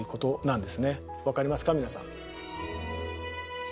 分かりますか皆さん。